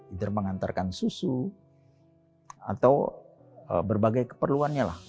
either mengantarkan susu atau berbagai keperluannya lah